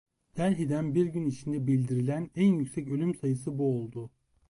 Delhi'den bir gün içinde bildirilen en yüksek ölüm sayısı bu oldu.